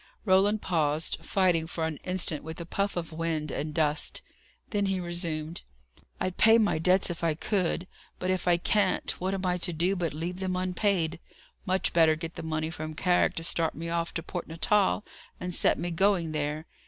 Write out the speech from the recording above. Roland paused, fighting for an instant with a puff of wind and dust. Then he resumed: "I'd pay my debts if I could; but, if I can't, what am I to do but leave them unpaid? Much better get the money from Carrick to start me off to Port Natal, and set me going there.